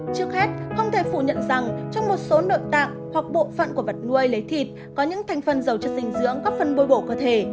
trước hết không thể phủ nhận rằng trong một số nội tạng hoặc bộ phận của vật nuôi lấy thịt có những thành phần giàu chất dinh dưỡng cấp phân bôi bổ cơ thể